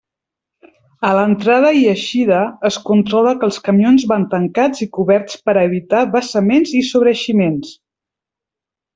A l'entrada i eixida es controla que els camions van tancats i coberts per a evitar vessaments i sobreeiximents.